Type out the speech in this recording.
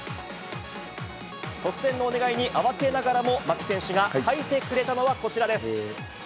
突然のお願いに慌てながらも、牧選手が書いてくれたのは、こちらです。